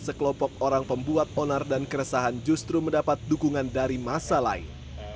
sekelompok orang pembuat onar dan keresahan justru mendapat dukungan dari masa lain